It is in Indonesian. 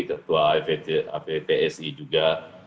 ketua aptsi juga